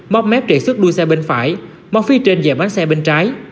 móc mép triển xuất đuôi xe bên phải móc phi trên và bán xe bên trái